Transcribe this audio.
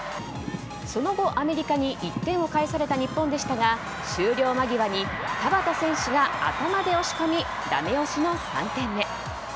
その後、アメリカに１点を返された日本でしたが終了間際田畑選手が頭で押し込みだめ押しの３点目。